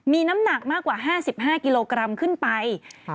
มีน้ำหนักมากกว่า๕๕กิโลกรัมขึ้นไป